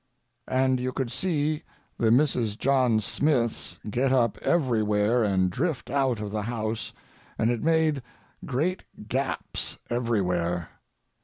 And you could see the Mrs. John Smiths get up everywhere and drift out of the house, and it made great gaps everywhere.